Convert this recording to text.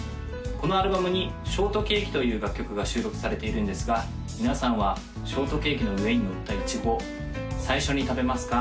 このアルバムに「ショートケーキ」という楽曲が収録されているんですが皆さんはショートケーキの上にのったイチゴ最初に食べますか？